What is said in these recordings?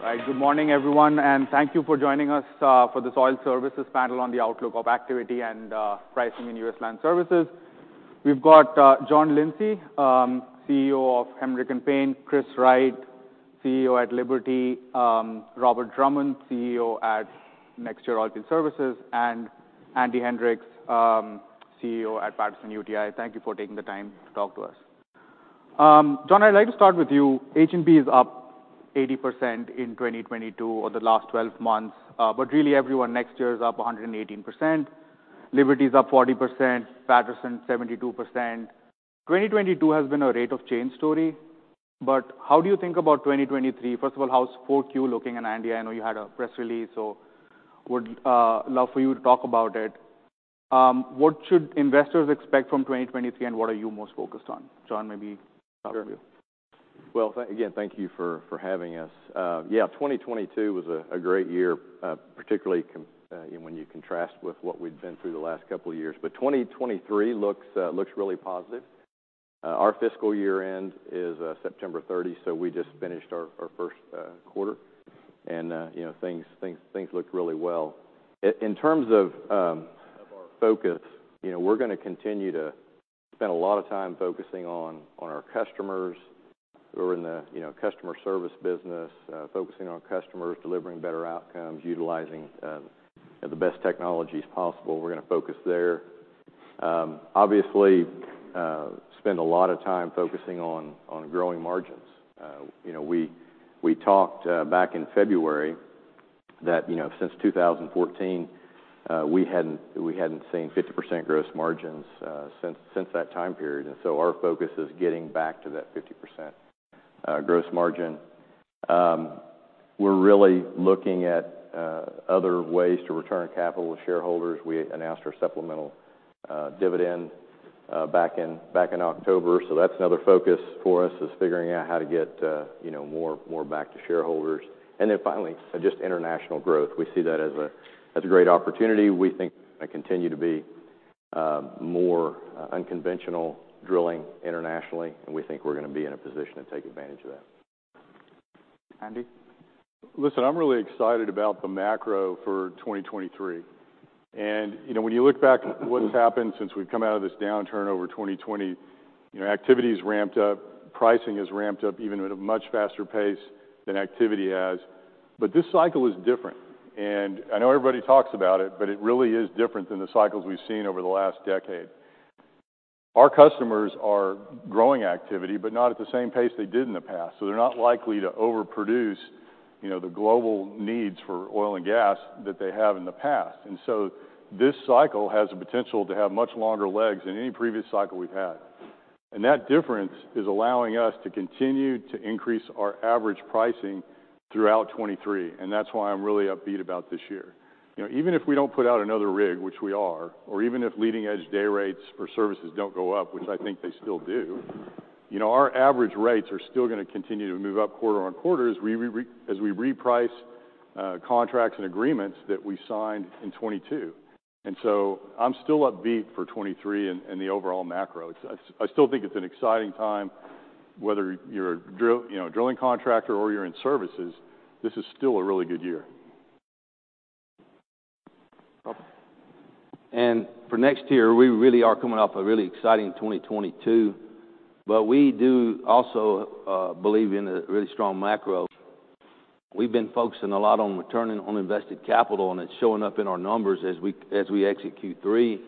All right. Good morning, everyone, and thank you for joining us for this oil services panel on the outlook of activity and pricing in U.S. land services. We've got John Lindsay, CEO of Helmerich & Payne, Chris Wright, CEO at Liberty, Robert Drummond, CEO at NexTier Oilfield Solutions, and Andy Hendricks, CEO at Patterson-UTI. Thank you for taking the time to talk to us. John, I'd like to start with you. H&P is up 80% in 2022 or the last 12 months. Really everyone, NexTier is up 118%. Liberty is up 40%. Patterson, 72%. 2022 has been a rate of change story. How do you think about 2023? First of all, how's 4Q looking in [India]? I know you had a press release, so would love for you to talk about it. What should investors expect from 2023, and what are you most focused on? John, maybe start with you. Well, again, thank you for having us. Yeah, 2022 was a great year, particularly when you contrast with what we've been through the last couple of years. 2023 looks really positive. Our fiscal year end is September 30, so we just finished our first quarter. You know, things looked really well. In terms of our focus, you know, we're gonna continue to spend a lot of time focusing on our customers. We're in the, you know, customer service business, focusing on customers, delivering better outcomes, utilizing, you know, the best technologies possible. We're gonna focus there. Obviously, spend a lot of time focusing on growing margins. You know, we talked back in February that, you know, since 2014, we hadn't seen 50% gross margins since that time period. Our focus is getting back to that 50% gross margin. We're really looking at other ways to return capital to shareholders. We announced our supplemental dividend back in October. That's another focus for us, is figuring out how to get, you know, more back to shareholders. Finally, just international growth. We see that as a great opportunity. We think it's gonna continue to be more unconventional drilling internationally, and we think we're gonna be in a position to take advantage of that. Andy? Listen, I'm really excited about the macro for 2023. You know, when you look back at what has happened since we've come out of this downturn over 2020, you know, activity's ramped up, pricing has ramped up even at a much faster pace than activity has. This cycle is different. I know everybody talks about it, but it really is different than the cycles we've seen over the last decade. Our customers are growing activity, but not at the same pace they did in the past. They're not likely to overproduce, you know, the global needs for oil and gas that they have in the past. This cycle has the potential to have much longer legs than any previous cycle we've had. That difference is allowing us to continue to increase our average pricing throughout 2023, and that's why I'm really upbeat about this year. You know, even if we don't put out another rig, which we are, or even if leading-edge day rates for services don't go up, which I think they still do, you know, our average rates are still gonna continue to move up quarter on quarter as we reprice contracts and agreements that we signed in 2022. I'm still upbeat for 2023 and the overall macro. I still think it's an exciting time, whether you're a you know, drilling contractor or you're in services, this is still a really good year. Robert. For next year, we really are coming off a really exciting 2022, but we do also believe in a really strong macro. We've been focusing a lot on returning on invested capital, and it's showing up in our numbers as we, as we execute three.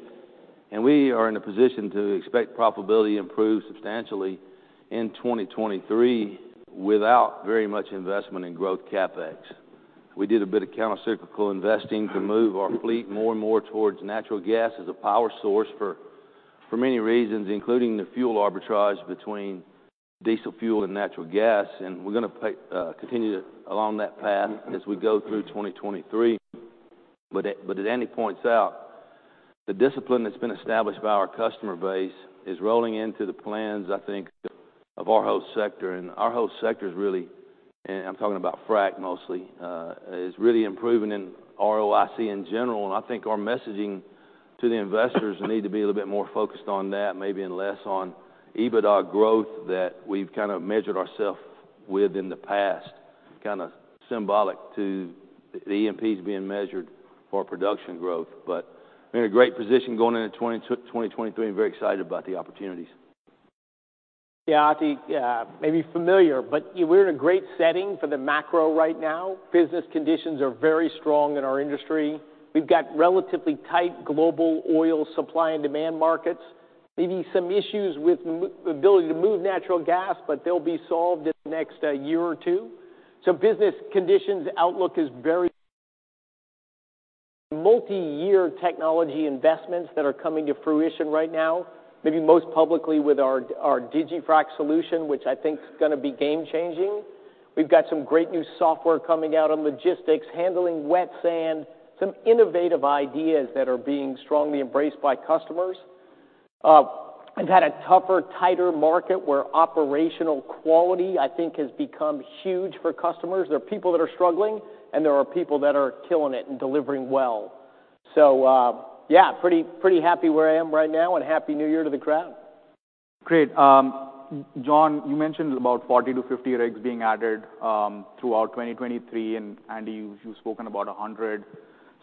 We are in a position to expect profitability improve substantially in 2023 without very much investment in growth CapEx. We did a bit of countercyclical investing to move our fleet more and more towards natural gas as a power source for many reasons, including the fuel arbitrage between diesel fuel and natural gas, and we're gonna continue along that path as we go through 2023. As Andy points out, the discipline that's been established by our customer base is rolling into the plans, I think, of our whole sector. Our whole sector, and I'm talking about frac mostly, is really improving in ROIC in general. I think our messaging to the investors need to be a little bit more focused on that, maybe, and less on EBITDA growth that we've kind of measured ourselves with in the past, kind of symbolic to the E&Ps being measured for production growth. We're in a great position going into 2023 and very excited about the opportunities. Atif may be familiar, but we're in a great setting for the macro right now. Business conditions are very strong in our industry. We've got relatively tight global oil supply and demand markets. Maybe some issues with the ability to move natural gas, but they'll be solved in the next year or two. Business conditions outlook is very... Multi-year technology investments that are coming to fruition right now, maybe most publicly with our DigiFrac solution, which I think is gonna be game-changing. We've got some great new software coming out on logistics, handling wet sand, some innovative ideas that are being strongly embraced by customers. We've had a tougher, tighter market where operational quality, I think, has become huge for customers. There are people that are struggling, and there are people that are killing it and delivering well. Yeah, pretty happy where I am right now, and happy New Year to the crowd. Great. John, you mentioned about 40-50 rigs being added throughout 2023, and Andy, you've spoken about 100.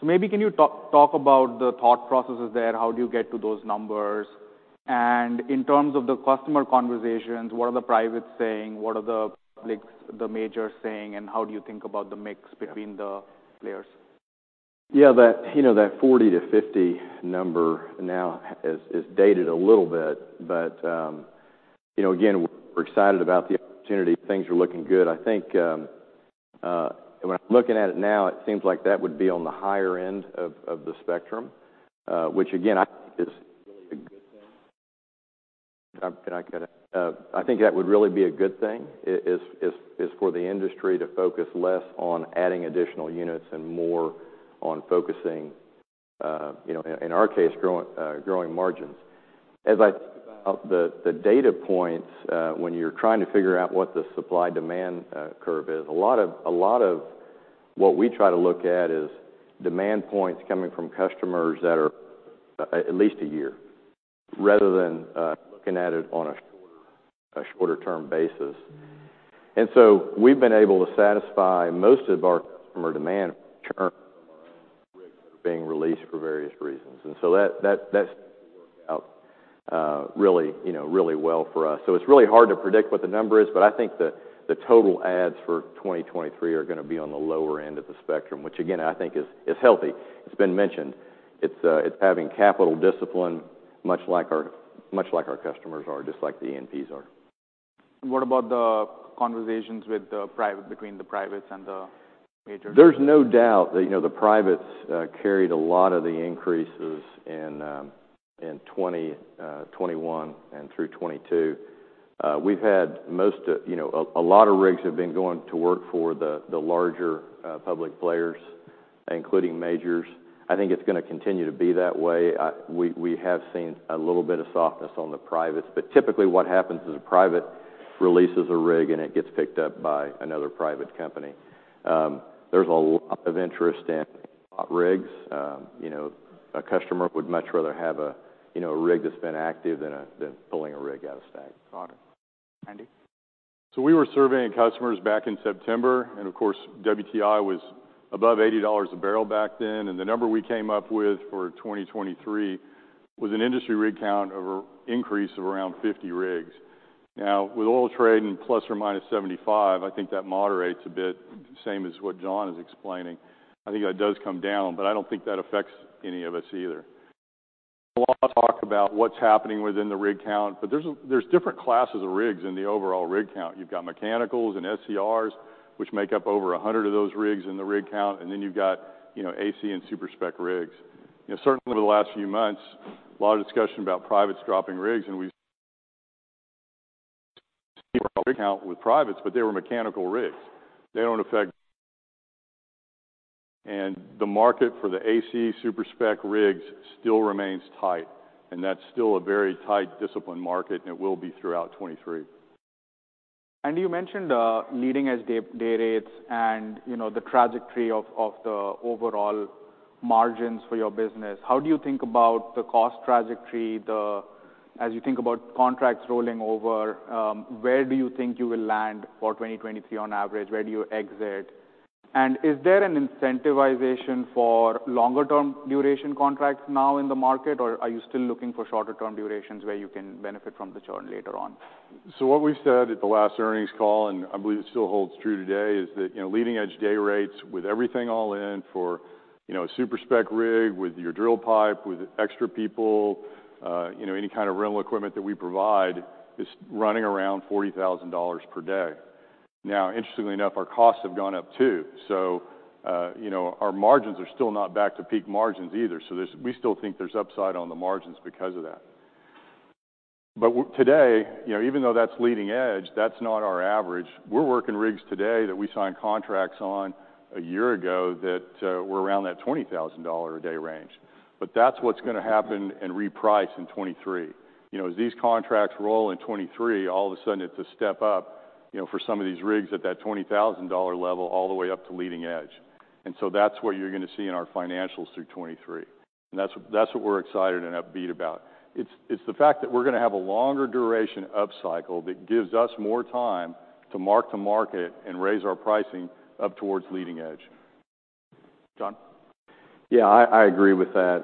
Maybe can you talk about the thought processes there? How do you get to those numbers? In terms of the customer conversations, what are the privates saying? What are the, like, the majors saying, and how do you think about the mix between the players? Yeah, that, you know, that 40 to 50 number now is dated a little bit. You know, again, we're excited about the opportunity. Things are looking good. I think, when I'm looking at it now, it seems like that would be on the higher end of the spectrum, which again, I think is really a good thing. Can I cut in? I think that would really be a good thing, is for the industry to focus less on adding additional units and more on focusing, you know, in our case, growing margins. As I think about the data points, when you're trying to figure out what the supply-demand curve is, a lot of what we try to look at is demand points coming from customers that are at least a year, rather than looking at it on a shorter-term basis. We've been able to satisfy most of our customer demand return from our own rigs that are being released for various reasons. That seems to work out, really, you know, really well for us. It's really hard to predict what the number is, but I think the total adds for 2023 are gonna be on the lower end of the spectrum, which again, I think is healthy. It's been mentioned. It's, it's having capital discipline, much like our customers are, just like the E&Ps are. What about the conversations between the privates and the majors? There's no doubt that, you know, the privates carried a lot of the increases in 2021 and through 2022. We've had most of, you know, a lot of rigs have been going to work for the larger public players, including majors. I think it's gonna continue to be that way. We have seen a little bit of softness on the privates, but typically what happens is a private releases a rig, and it gets picked up by another private company. There's a lot of interest in bought rigs. You know, a customer would much rather have a, you know, a rig that's been active than pulling a rig out of stack. Got it. Andy? We were surveying customers back in September, and of course, WTI was above $80 a barrel back then. The number we came up with for 2023 was an industry rig count of a increase of around 50 rigs. With oil trading ±$75, I think that moderates a bit, same as what John is explaining. I think that does come down, but I don't think that affects any of us either. A lot of talk about what's happening within the rig count, but there's different classes of rigs in the overall rig count. You've got mechanicals and SCRs, which make up over 100 of those rigs in the rig count, and then you've got, you know, AC and super-spec rigs. You know, certainly over the last few months, a lot of discussion about privates dropping rigs, and we've seen rig count with privates, but they were mechanical rigs. They don't affect. The market for the AC super-spec rigs still remains tight, and that's still a very tight, disciplined market, and it will be throughout 2023. Andy, you mentioned, leading as day rates and, you know, the trajectory of the overall margins for your business. How do you think about the cost trajectory, as you think about contracts rolling over, where do you think you will land for 2023 on average? Where do you exit? Is there an incentivization for longer term duration contracts now in the market, or are you still looking for shorter term durations where you can benefit from the churn later on? What we said at the last earnings call, and I believe it still holds true today, is that, you know, leading edge day rates with everything all in for, you know, a super-spec rig with your drill pipe, with extra people, you know, any kind of rental equipment that we provide, is running around $40,000 per day. Interestingly enough, our costs have gone up too. Our margins are still not back to peak margins either. We still think there's upside on the margins because of that. Today, you know, even though that's leading edge, that's not our average. We're working rigs today that we signed contracts on a year ago that were around that $20,000 a day range. That's what's gonna happen and reprice in 2023. You know, as these contracts roll in 2023, all of a sudden it's a step up, you know, for some of these rigs at that $20,000 level all the way up to leading edge. That's what you're gonna see in our financials through 2023. That's, that's what we're excited and upbeat about. It's, it's the fact that we're gonna have a longer duration upcycle that gives us more time to mark the market and raise our pricing up towards leading edge. John? Yeah, I agree with that.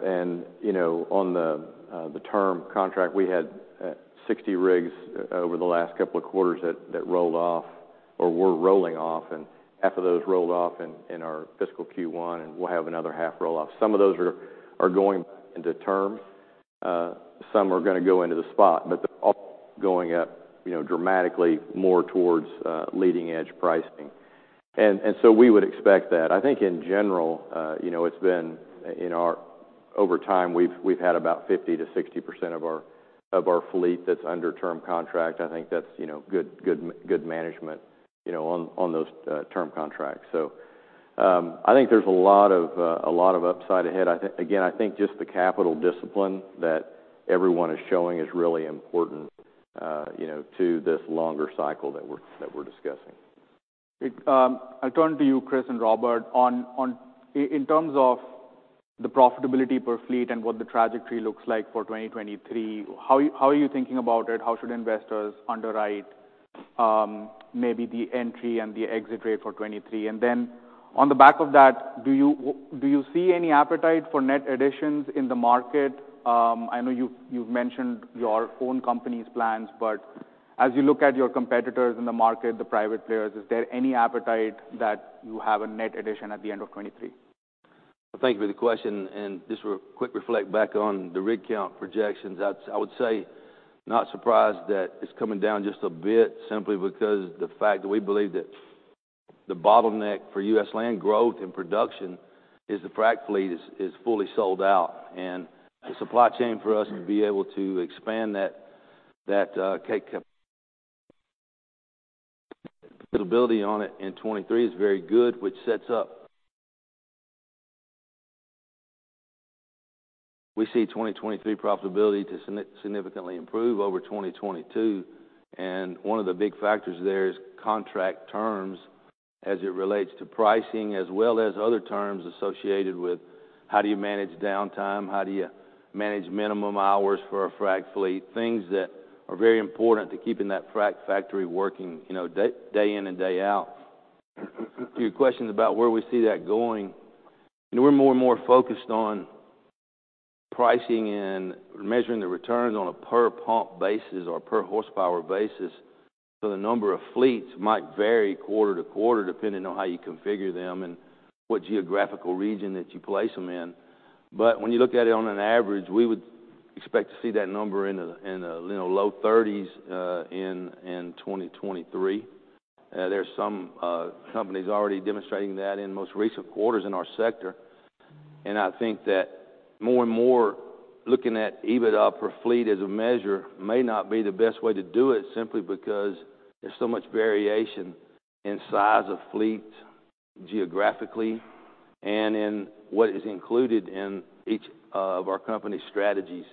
You know, on the term contract, we had 60 rigs over the last couple of quarters that rolled off or were rolling off. Half of those rolled off in our fiscal Q1, and we'll have another half roll off. Some of those are going into term. Some are gonna go into the spot, but they're all going up, you know, dramatically more towards leading-edge pricing. We would expect that. I think in general, you know, it's been over time, we've had about 50% to 60% of our fleet that's under term contract. I think that's, you know, good management, you know, on those term contracts. I think there's a lot of upside ahead. Again, I think just the capital discipline that everyone is showing is really important, you know, to this longer cycle that we're discussing. It, I'll turn to you, Chris and Robert, on, in terms of the profitability per fleet and what the trajectory looks like for 2023, how are you thinking about it? How should investors underwrite, maybe the entry and the exit rate for 2023? On the back of that, do you see any appetite for net additions in the market? I know you've mentioned your own company's plans, but as you look at your competitors in the market, the private players, is there any appetite that you have a net addition at the end of 2023? Well, thank you for the question. Just a quick reflect back on the rig count projections. That's I would say not surprised that it's coming down just a bit simply because the fact that we believe that the bottleneck for U.S. land growth and production is the frac fleet is fully sold out. The supply chain for us to be able to expand that capability on it in 2023 is very good, which sets up. We see 2023 profitability to significantly improve over 2022, and one of the big factors there is contract terms as it relates to pricing, as well as other terms associated with how do you manage downtime, how do you manage minimum hours for a frac fleet, things that are very important to keeping that frac factory working, you know, day in and day out. To your questions about where we see that going, you know, we're more and more focused on pricing and measuring the returns on a per pump basis or per horsepower basis. The number of fleets might vary quarter to quarter depending on how you configure them and what geographical region that you place them in. When you look at it on an average, we would expect to see that number in a, you know, low thirties in 2023. There's some companies already demonstrating that in most recent quarters in our sector. I think that more and more looking at EBITDA per fleet as a measure may not be the best way to do it, simply because there's so much variation in size of fleets geographically and in what is included in each of our company's strategies.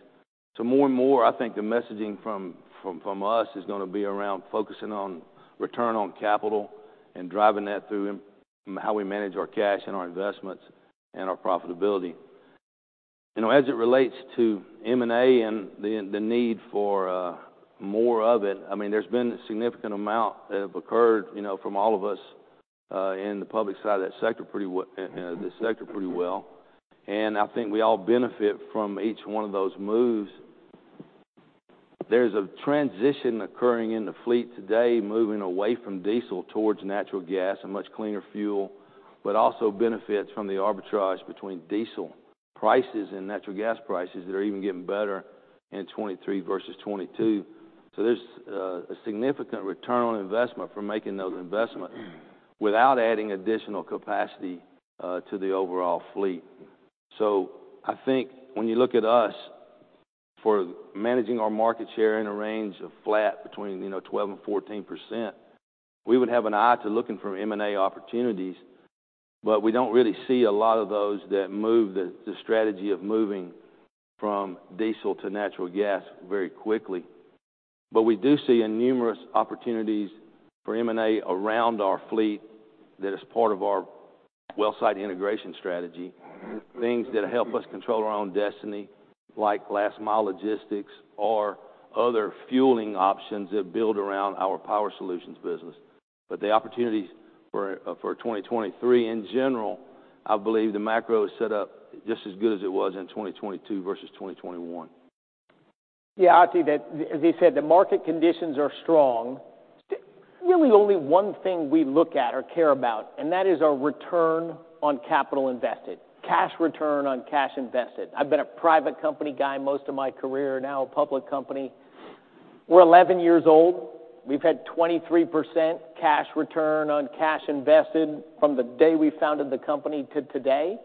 More and more, I think the messaging from us is gonna be around focusing on return on capital and driving that through in how we manage our cash and our investments and our profitability. You know, as it relates to M&A and the need for more of it, I mean, there's been a significant amount that have occurred, you know, from all of us in the public side of that sector pretty well. I think we all benefit from each one of those moves. There's a transition occurring in the fleet today, moving away from diesel towards natural gas, a much cleaner fuel, but also benefits from the arbitrage between diesel prices and natural gas prices that are even getting better in 2023 versus 2022. There's a significant return on investment from making those investments without adding additional capacity to the overall fleet. I think when you look at us, for managing our market share in a range of flat between, you know, 12% and 14%, we would have an eye to looking for M&A opportunities. We don't really see a lot of those that move the strategy of moving from diesel to natural gas very quickly. We do see numerous opportunities for M&A around our fleet that is part of our well site integration strategy, things that help us control our own destiny, like last mile logistics or other fueling options that build around our Power Solutions business. The opportunities for 2023 in general, I believe the macro is set up just as good as it was in 2022 versus 2021. Yeah, I'll tell you that as he said, the market conditions are strong. Really only one thing we look at or care about, that is our return on capital invested, cash return on cash invested. I've been a private company guy most of my career, now a public company. We're 11 years old. We've had 23% cash return on cash invested from the day we founded the company to today.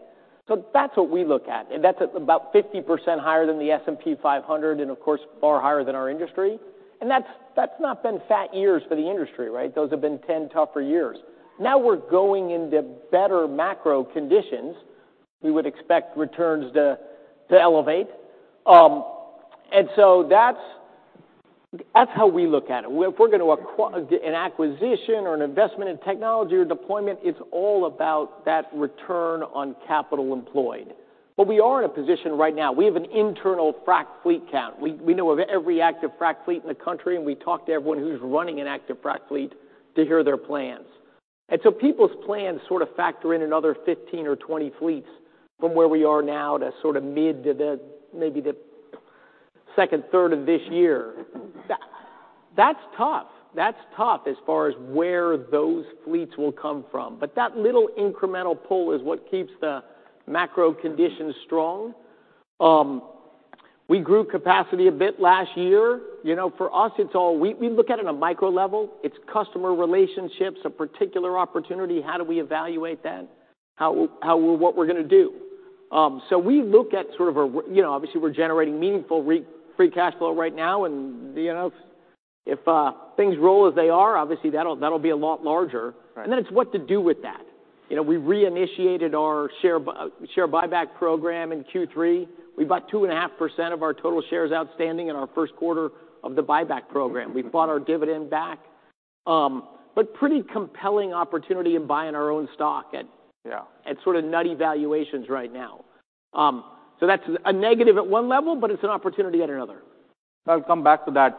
That's what we look at, that's at about 50% higher than the S&P 500, of course, far higher than our industry. That's not been fat years for the industry, right? Those have been 10 tougher years. Now we're going into better macro conditions. We would expect returns to elevate. That's how we look at it. If we're gonna acquire an acquisition or an investment in technology or deployment, it's all about that return on capital employed. We are in a position right now. We have an internal frac fleet count. We know of every active frac fleet in the country, and we talk to everyone who's running an active frac fleet to hear their plans. People's plans sort of factor in another 15 or 20 fleets from where we are now to sort of mid to the maybe the second third of this year. That's tough. That's tough as far as where those fleets will come from. We grew capacity a bit last year. You know, for us, it's all. We look at it on a micro level. It's customer relationships, a particular opportunity. How do we evaluate that? How, what we're gonna do? We look at sort of a you know, obviously, we're generating meaningful re-free cash flow right now. You know, if things roll as they are, obviously that'll be a lot larger. Right. It's what to do with that. You know, we reinitiated our share buyback program in Q3. We bought 2.5% of our total shares outstanding in our first quarter of the buyback program. We've bought our dividend back. Pretty compelling opportunity in buying our own stock at- Yeah... at sort of nutty valuations right now. That's a negative at one level, but it's an opportunity at another. I'll come back to that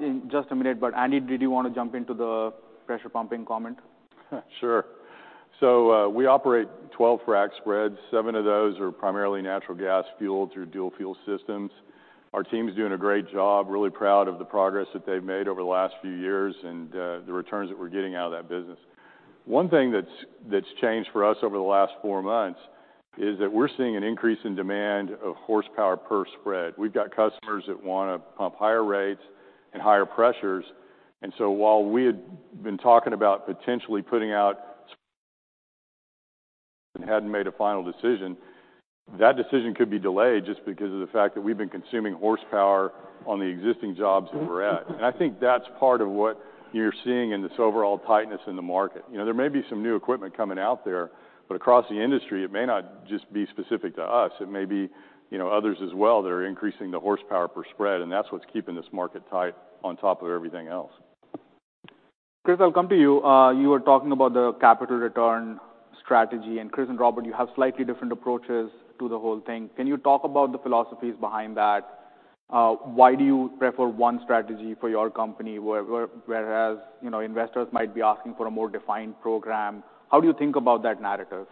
in just a minute. Andy, did you wanna jump into the pressure pumping comment? Sure. We operate 12 frac spreads. Seven of those are primarily natural gas fueled through dual fuel systems. Our team's doing a great job. Really proud of the progress that they've made over the last few years, and, the returns that we're getting out of that business. One thing that's changed for us over the last four months is that we're seeing an increase in demand of horsepower per spread. We've got customers that wanna pump higher rates and higher pressures. While we had been talking about potentially putting out and hadn't made a final decision, that decision could be delayed just because of the fact that we've been consuming horsepower on the existing jobs that we're at. I think that's part of what you're seeing in this overall tightness in the market. You know, there may be some new equipment coming out there, but across the industry, it may not just be specific to us, it may be, you know, others as well that are increasing the horsepower per spread, and that's what's keeping this market tight on top of everything else. Chris, I'll come to you. You were talking about the capital return strategy, and Chris and Robert, you have slightly different approaches to the whole thing. Can you talk about the philosophies behind that? Why do you prefer one strategy for your company whereas, you know, investors might be asking for a more defined program? How do you think about that narrative?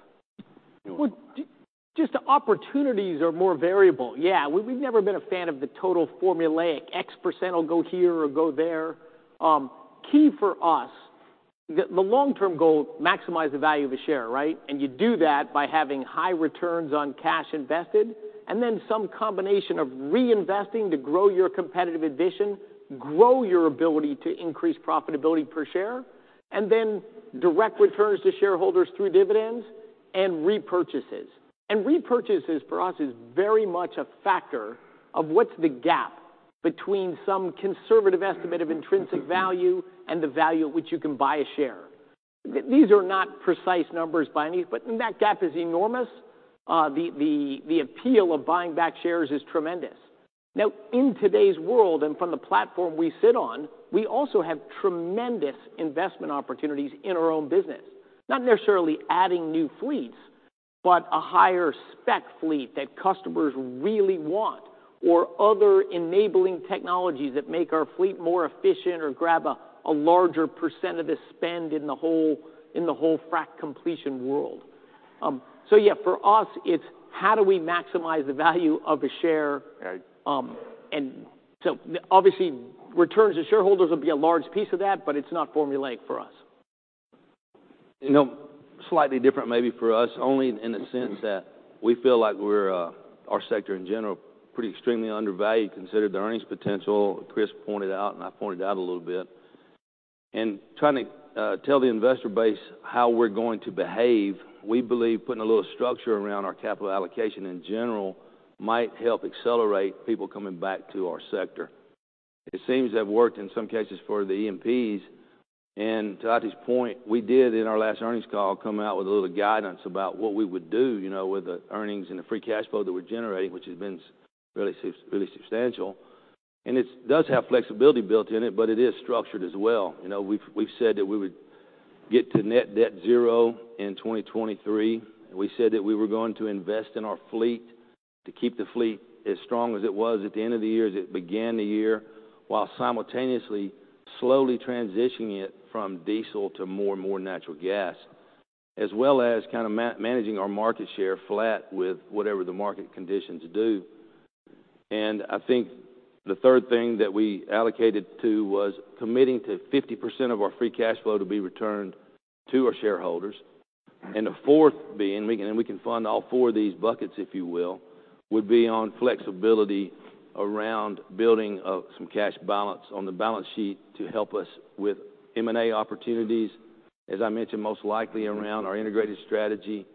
Well, just the opportunities are more variable. Yeah, we've never been a fan of the total formulaic X% will go here or go there. Key for us, the long-term goal, maximize the value of a share, right? You do that by having high returns on cash invested and then some combination of reinvesting to grow your competitive addition, grow your ability to increase profitability per share, and then direct returns to shareholders through dividends and repurchases. Repurchases for us is very much a factor of what's the gap between some conservative estimate of intrinsic value and the value at which you can buy a share. These are not precise numbers by any. When that gap is enormous, the appeal of buying back shares is tremendous. In today's world, and from the platform we sit on, we also have tremendous investment opportunities in our own business. Not necessarily adding new fleets, but a higher spec fleet that customers really want, or other enabling technologies that make our fleet more efficient or grab a larger percentage of the spend in the whole, in the whole frac completion world. Yeah, for us, it's how do we maximize the value of a share? Right. Obviously, returns to shareholders will be a large piece of that, but it's not formulaic for us. You know, slightly different maybe for us only in the sense that we feel like we're, our sector in general, pretty extremely undervalued considering the earnings potential Chris pointed out, and I pointed out a little bit. Trying to tell the investor base how we're going to behave, we believe putting a little structure around our capital allocation in general might help accelerate people coming back to our sector. It seems to have worked in some cases for the E&Ps. To Atif's point, we did in our last earnings call, come out with a little guidance about what we would do, you know, with the earnings and the free cash flow that we're generating, which has been really substantial. It does have flexibility built in it, but it is structured as well. You know, we've said that we would get to net debt zero in 2023. We said that we were going to invest in our fleet to keep the fleet as strong as it was at the end of the year as it began the year, while simultaneously slowly transitioning it from diesel to more and more natural gas, as well as kind of managing our market share flat with whatever the market conditions do. I think the third thing that we allocated to was committing to 50% of our free cash flow to be returned to our shareholders. The fourth being, and we can fund all four of these buckets, if you will, would be on flexibility around building some cash balance on the balance sheet to help us with M&A opportunities, as I mentioned, most likely around our integrated strategy.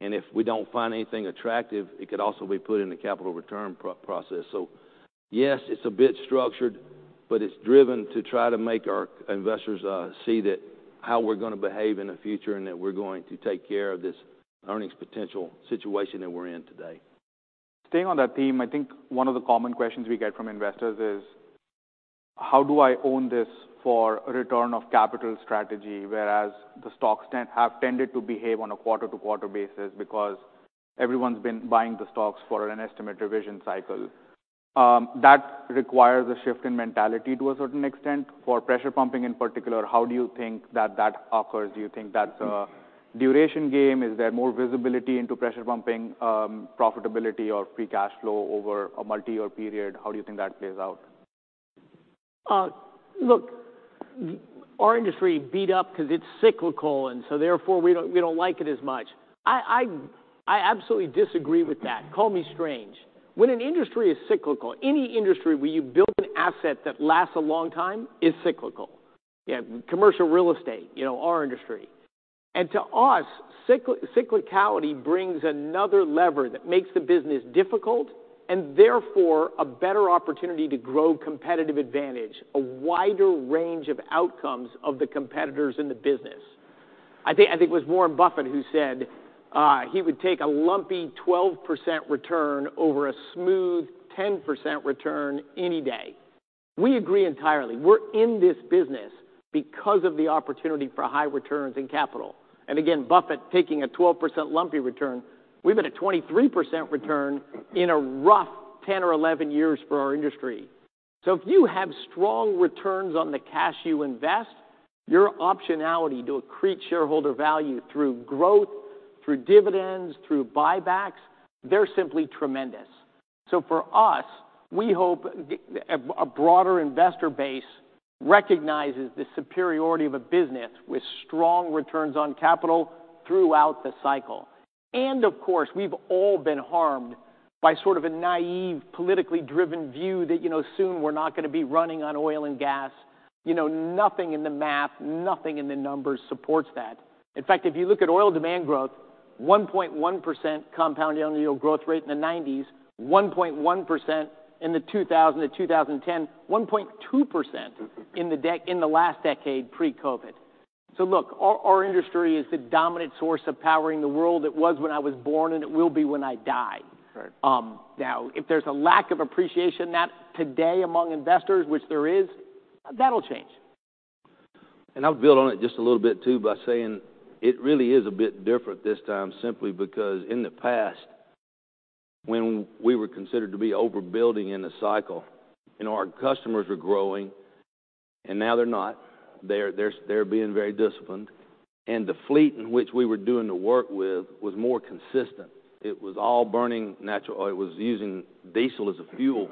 If we don't find anything attractive, it could also be put in the capital return process. Yes, it's a bit structured, but it's driven to try to make our investors see that how we're gonna behave in the future, and that we're going to take care of this earnings potential situation that we're in today. Staying on that theme, I think one of the common questions we get from investors is, how do I own this for a return of capital strategy, whereas the stocks have tended to behave on a quarter-to-quarter basis because everyone's been buying the stocks for an estimate revision cycle. That requires a shift in mentality to a certain extent. For pressure pumping in particular, how do you think that that occurs? Do you think that's a duration game? Is there more visibility into pressure pumping profitability or free cash flow over a multi-year period? How do you think that plays out? Look, our industry beat up 'cause it's cyclical. Therefore, we don't like it as much. I absolutely disagree with that. Call me strange. When an industry is cyclical, any industry where you build an asset that lasts a long time is cyclical. Yeah, commercial real estate, you know, our industry. To us, cyclicality brings another lever that makes the business difficult, and therefore, a better opportunity to grow competitive advantage, a wider range of outcomes of the competitors in the business. I think it was Warren Buffett who said, he would take a lumpy 12% return over a smooth 10% return any day. We agree entirely. We're in this business because of the opportunity for high returns in capital. Again, Buffett taking a 12% lumpy return, we've been at 23% return in a rough 10 or 11 years for our industry. If you have strong returns on the cash you invest, your optionality to accrete shareholder value through growth, through dividends, through buybacks, they're simply tremendous. For us, we hope a broader investor base recognizes the superiority of a business with strong returns on capital throughout the cycle. Of course, we've all been harmed by sort of a naive, politically driven view that, you know, soon we're not gonna be running on oil and gas. You know, nothing in the math, nothing in the numbers supports that. In fact, if you look at oil demand growth, 1.1% compound annual growth rate in the 1990s, 1.1% in the 2000-2010, 1.2% in the last decade pre-COVID. Look, our industry is the dominant source of powering the world. It was when I was born, and it will be when I die. Right. Now, if there's a lack of appreciation that today among investors, which there is, that'll change. I'll build on it just a little bit too by saying it really is a bit different this time, simply because in the past, when we were considered to be overbuilding in a cycle and our customers were growing, and now they're not. They're being very disciplined. The fleet in which we were doing the work with was more consistent. It was all burning natural oil. It was using diesel as a fuel.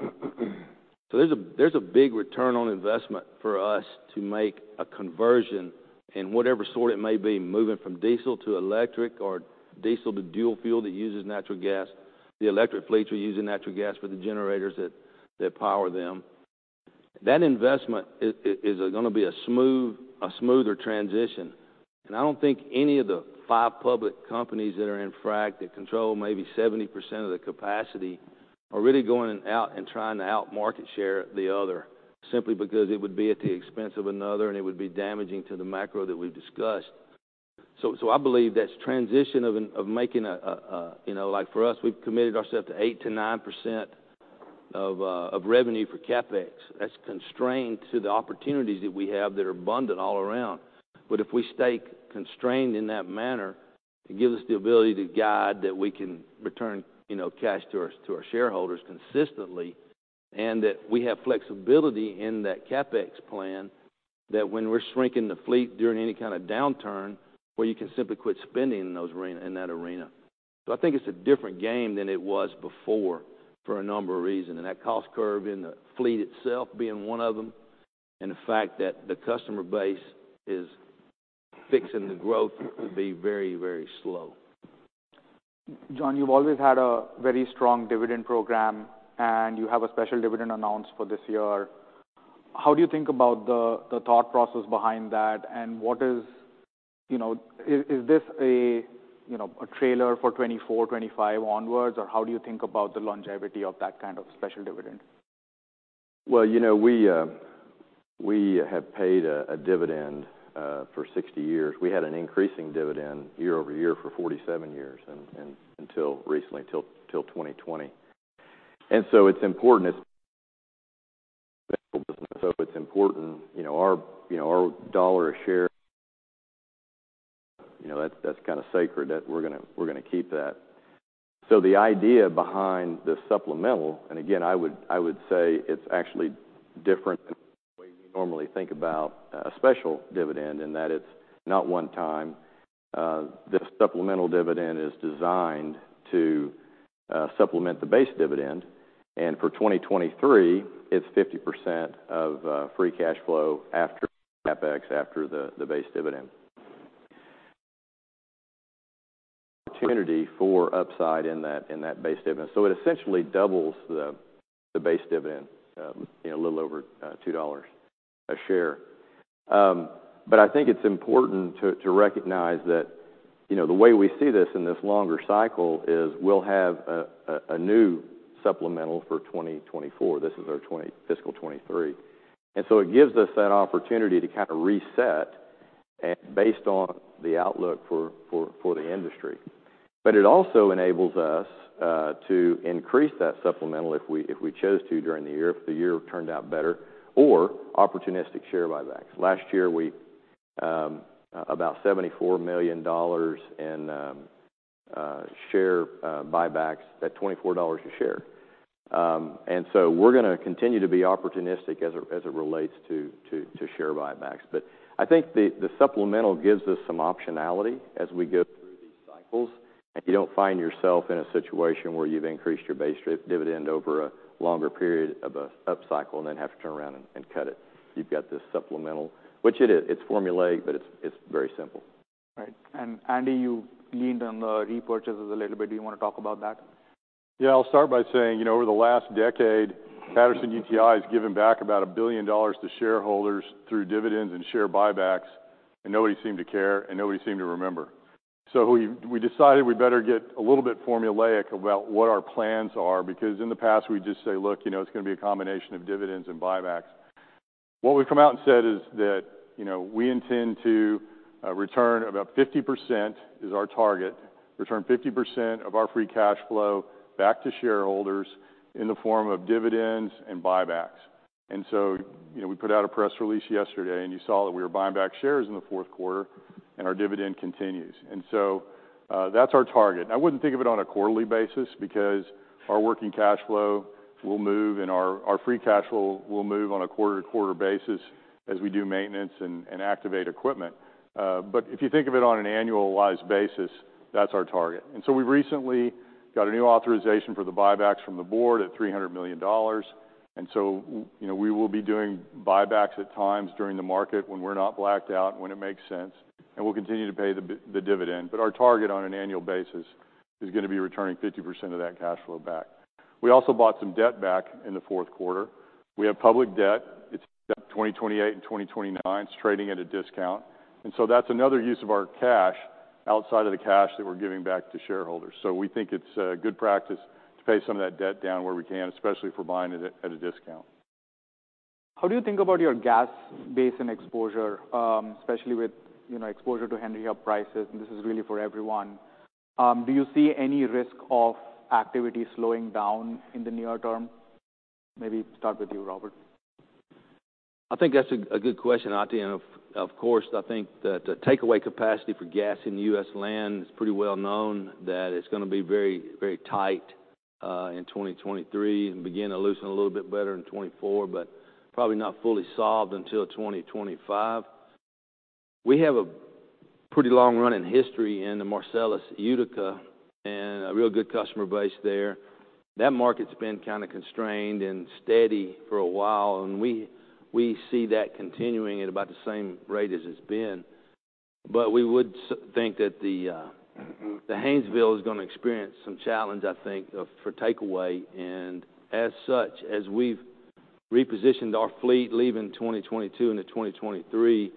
There's a big return on investment for us to make a conversion in whatever sort it may be, moving from diesel to electric or diesel to dual fuel that uses natural gas. The electric fleets are using natural gas for the generators that power them. That investment is gonna be a smooth, a smoother transition. I don't think any of the five public companies that are in frac that control maybe 70% of the capacity are really going out and trying to out-market share the other simply because it would be at the expense of another, and it would be damaging to the macro that we've discussed. I believe that's transition of making a, you know. Like for us, we've committed ourselves to 8%-9% of revenue for CapEx. That's constrained to the opportunities that we have that are abundant all around. If we stay constrained in that manner, it gives us the ability to guide that we can return, you know, cash to our, to our shareholders consistently, and that we have flexibility in that CapEx plan that when we're shrinking the fleet during any kind of downturn where you can simply quit spending in that arena. I think it's a different game than it was before for a number of reasons, and that cost curve in the fleet itself being one of them, and the fact that the customer base is fixing the growth to be very, very slow. John, you've always had a very strong dividend program. You have a special dividend announced for this year. How do you think about the thought process behind that, and what is, you know, is this a, you know, a trailer for 2024, 2025 onwards, or how do you think about the longevity of that kind of special dividend? Well, you know, we have paid a dividend for 60 years. We had an increasing dividend year over year for 47 years until recently, till 2020. It's important. It's important, you know, our dollar a share. You know, that's kind of sacred that we're gonna keep that. The idea behind the supplemental, and again, I would say it's actually different than the way you normally think about a special dividend in that it's not one time. This supplemental dividend is designed to supplement the base dividend. For 2023, it's 50% of free cash flow after CapEx, after the base dividend. opportunity for upside in that base dividend. It essentially doubles the base dividend, you know, a little over $2 a share. I think it's important to recognize that, you know, the way we see this in this longer cycle is we'll have a new supplemental for 2024. This is our fiscal 2023. It gives us that opportunity to kind of reset based on the outlook for the industry. It also enables us to increase that supplemental if we chose to during the year, if the year turned out better, or opportunistic share buybacks. Last year, we about $74 million in share buybacks at $24 a share. We're gonna continue to be opportunistic as it relates to share buybacks. I think the supplemental gives us some optionality as we go through these cycles, and you don't find yourself in a situation where you've increased your base dividend over a longer period of a upcycle and then have to turn around and cut it. You've got this supplemental, which it is. It's formulaic, but it's very simple. Right. Andy, you leaned on the repurchases a little bit. Do you wanna talk about that? I'll start by saying, you know, over the last decade, Patterson-UTI has given back about $1 billion to shareholders through dividends and share buybacks, and nobody seemed to care, and nobody seemed to remember. We decided we better get a little bit formulaic about what our plans are because in the past, we'd just say, "Look, you know, it's gonna be a combination of dividends and buybacks. What we've come out and said is that, you know, we intend to return about 50% is our target, return 50% of our free cash flow back to shareholders in the form of dividends and buybacks. You know, we put out a press release yesterday, and you saw that we were buying back shares in the fourth quarter, and our dividend continues. That's our target. I wouldn't think of it on a quarterly basis because our working cash flow will move and our free cash flow will move on a quarter-to-quarter basis as we do maintenance and activate equipment. But if you think of it on an annualized basis, that's our target. We've recently got a new authorization for the buybacks from the board at $300 million. You know, we will be doing buybacks at times during the market when we're not blacked out, when it makes sense, and we'll continue to pay the dividend. Our target on an annual basis is gonna be returning 50% of that cash flow back. We also bought some debt back in the fourth quarter. We have public debt. It's 2028 and 2029. It's trading at a discount. That's another use of our cash outside of the cash that we're giving back to shareholders. We think it's good practice to pay some of that debt down where we can, especially if we're buying it at a discount. How do you think about your gas basin exposure, especially with, you know, exposure to Henry Hub prices? This is really for everyone. Do you see any risk of activity slowing down in the near term? Maybe start with you, Robert. I think that's a good question, Atif. Of course, I think that the takeaway capacity for gas in U.S. land is pretty well known that it's gonna be very tight in 2023 and begin to loosen a little bit better in 2024, but probably not fully solved until 2025. We have a pretty long run in history in the Marcellus Utica and a real good customer base there. That market's been kinda constrained and steady for a while, and we see that continuing at about the same rate as it's been. We would think that the Haynesville is gonna experience some challenge, I think, for takeaway. As such, as we've repositioned our fleet leaving 2022 into 2023,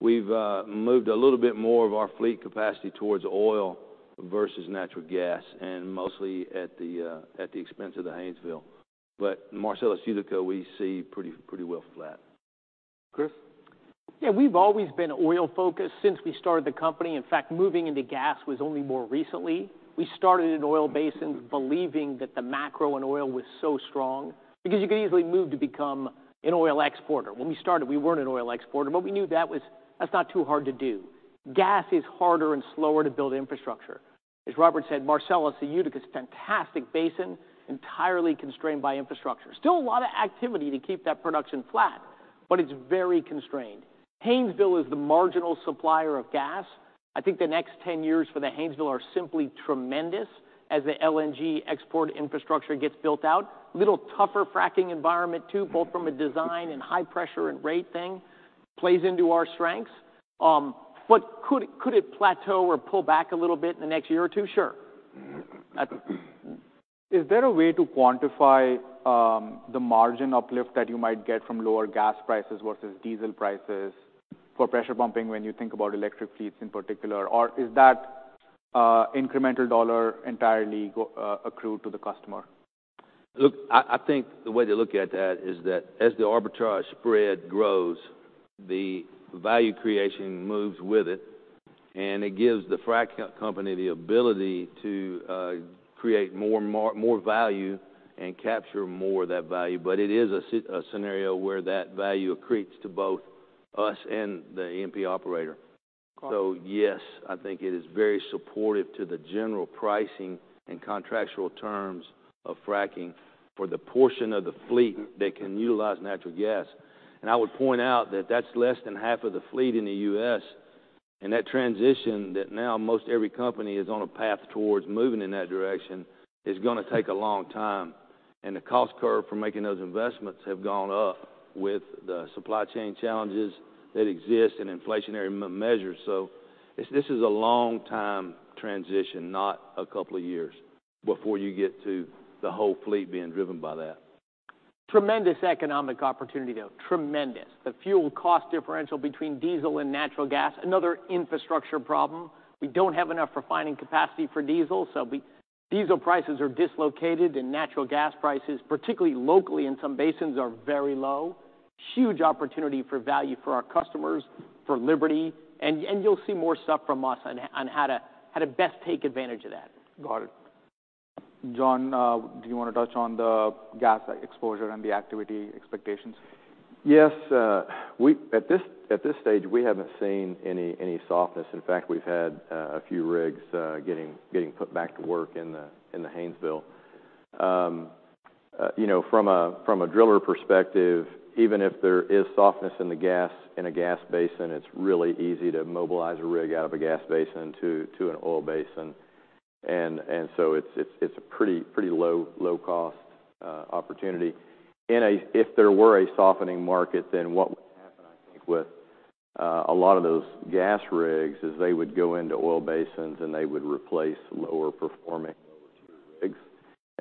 we've moved a little bit more of our fleet capacity towards oil versus natural gas, and mostly at the expense of the Haynesville. But Marcellus Utica, we see pretty well flat. Chris? We've always been oil-focused since we started the company. Moving into gas was only more recently. We started in oil basins believing that the macro in oil was so strong because you could easily move to become an oil exporter. When we started, we weren't an oil exporter, but we knew that's not too hard to do. Gas is harder and slower to build infrastructure. As Robert said, Marcellus, the Utica's a fantastic basin, entirely constrained by infrastructure. Still a lot of activity to keep that production flat, but it's very constrained. Haynesville is the marginal supplier of gas. I think the next 10 years for the Haynesville are simply tremendous as the LNG export infrastructure gets built out. A little tougher fracking environment too, both from a design and high pressure and rate thing plays into our strengths. Could it plateau or pull back a little bit in the next year or two? Sure. Is there a way to quantify the margin uplift that you might get from lower gas prices versus diesel prices for pressure pumping when you think about electric fleets in particular? Or is that incremental dollar entirely go accrue to the customer? Look, I think the way to look at that is that as the arbitrage spread grows, the value creation moves with it, and it gives the frac company the ability to create more value and capture more of that value. It is a scenario where that value accretes to both us and the E&P operator. Got it. Yes, I think it is very supportive to the general pricing and contractual terms of fracking for the portion of the fleet that can utilize natural gas. I would point out that that's less than half of the fleet in the U.S., and that transition that now most every company is on a path towards moving in that direction is going to take a long time. The cost curve for making those investments have gone up with the supply chain challenges that exist in inflationary measures. This is a long time transition, not a couple of years, before you get to the whole fleet being driven by that. Tremendous economic opportunity, though. Tremendous. The fuel cost differential between diesel and natural gas, another infrastructure problem. We don't have enough refining capacity for diesel, so diesel prices are dislocated, and natural gas prices, particularly locally in some basins, are very low. Huge opportunity for value for our customers, for Liberty, and you'll see more stuff from us on how to best take advantage of that. Got it. John, do you wanna touch on the gas exposure and the activity expectations? Yes. At this stage, we haven't seen any softness. In fact, we've had a few rigs getting put back to work in the Haynesville. you know, from a driller perspective, even if there is softness in the gas, in a gas basin, it's really easy to mobilize a rig out of a gas basin into an oil basin. So it's a pretty low cost opportunity. If there were a softening market, what would happen, I think, with a lot of those gas rigs is they would go into oil basins, and they would replace lower performing, lower tier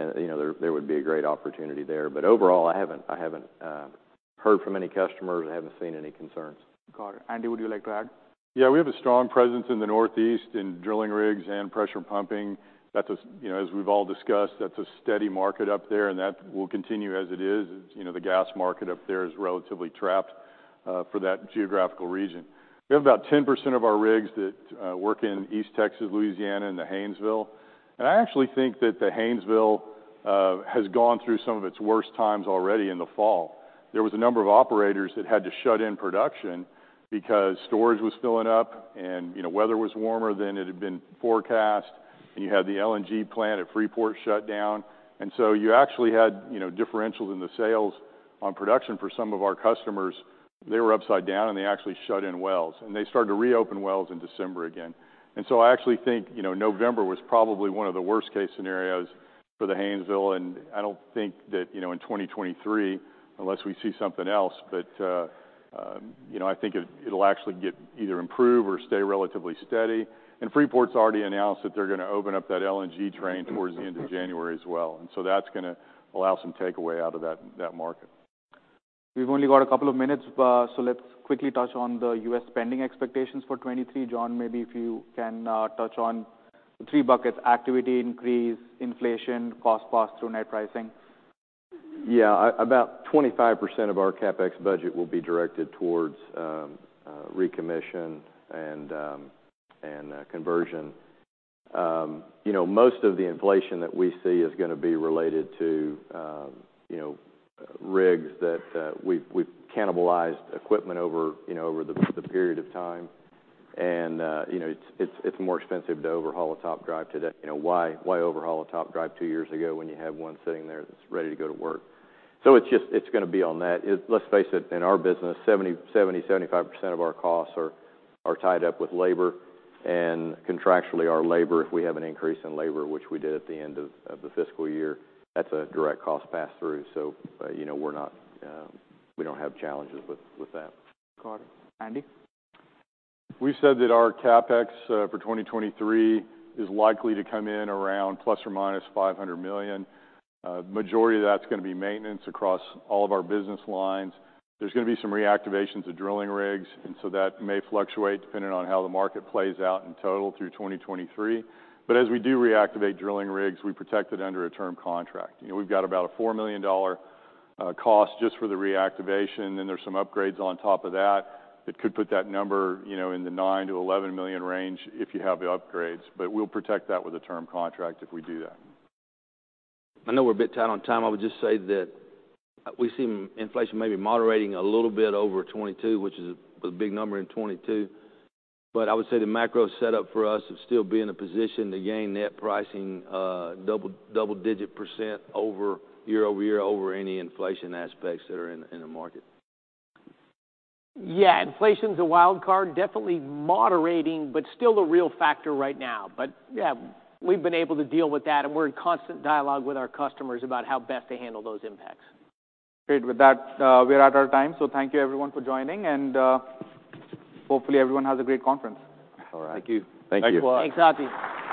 rigs. you know, there would be a great opportunity there. Overall, I haven't heard from any customers. I haven't seen any concerns. Got it. Andy, would you like to add? Yeah, we have a strong presence in the Northeast in drilling rigs and pressure pumping. That's you know, as we've all discussed, that's a steady market up there. That will continue as it is. It's, you know, the gas market up there is relatively trapped for that geographical region. We have about 10% of our rigs that work in East Texas, Louisiana, and the Haynesville. I actually think that the Haynesville has gone through some of its worst times already in the fall. There was a number of operators that had to shut in production because storage was filling up and, you know, weather was warmer than it had been forecast. You had the LNG plant at Freeport shut down. You actually had, you know, differentials in the sales on production for some of our customers. They were upside down, and they actually shut in wells. They started to reopen wells in December again. I actually think, you know, November was probably one of the worst case scenarios for the Haynesville, and I don't think that, you know, in 2023, unless we see something else, but, you know, I think it'll actually get either improve or stay relatively steady. Freeport's already announced that they're gonna open up that LNG train towards the end of January as well. That's gonna allow some takeaway out of that market. We've only got a couple of minutes left. Let's quickly touch on the U.S. spending expectations for 2023. John, maybe if you can touch on the three buckets: activity increase, inflation, cost pass through net pricing. Yeah. About 25% of our CapEx budget will be directed towards recommission and conversion. You know, most of the inflation that we see is gonna be related to, you know, rigs that we've cannibalized equipment over, you know, over the period of time. You know, it's more expensive to overhaul a top drive today. You know, why overhaul a top drive two years ago when you have one sitting there that's ready to go to work? It's just, it's gonna be on that. Let's face it, in our business, 75% of our costs are tied up with labor. Contractually, our labor, if we have an increase in labor, which we did at the end of the fiscal year, that's a direct cost pass-through. You know, We don't have challenges with that. Got it. Andy? We said that our CapEx for 2023 is likely to come in around ±$500 million. Majority of that's gonna be maintenance across all of our business lines. There's gonna be some reactivations of drilling rigs, and so that may fluctuate depending on how the market plays out in total through 2023. As we do reactivate drilling rigs, we protect it under a term contract. You know, we've got about a $4 million cost just for the reactivation, then there's some upgrades on top of that. It could put that number, you know, in the $9 million-$11 million range if you have the upgrades. We'll protect that with a term contract if we do that. I know we're a bit tight on time. I would just say that we've seen inflation maybe moderating a little bit over 2022, which was a big number in 2022. I would say the macro setup for us is still be in a position to gain net pricing, double-digit percent over year-over-year over any inflation aspects that are in the market. Yeah. Inflation's a wild card. Definitely moderating, but still a real factor right now. Yeah, we've been able to deal with that, and we're in constant dialogue with our customers about how best to handle those impacts. Great. With that, we're out of time. Thank you everyone for joining. Hopefully everyone has a great conference. All right. Thank you. Thank you. Thanks a lot. Thanks, Atif.